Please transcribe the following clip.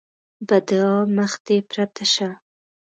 بدعا: مخ دې پرته شه!